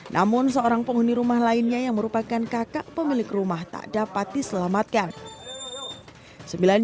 namun seorang penghuni rumah lainnya yang merupakan kakak pemilik rumah tak dapat diselamatkan